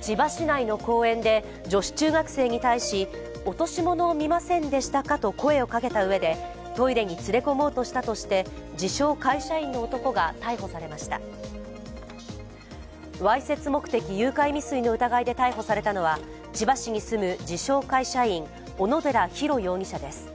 千葉市内の公園で女子中学生に対し、落とし物を見ませんでしたかと声をかけたうえでトイレに連れ込もうとしたとして、自称・会社員の男が逮捕されましたわいせつ目的誘拐未遂の疑いで逮捕されたのは、千葉市に住む、自称・会社員小野寺大容疑者です。